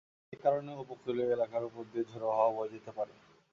এ কারণে উপকূলীয় এলাকার ওপর দিয়ে ঝোড়ো হাওয়া বয়ে যেতে পারে।